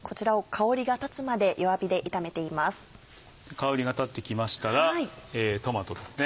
香りが立ってきましたらトマトですね。